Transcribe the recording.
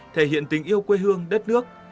thể hiện tình yêu quê hương đất nước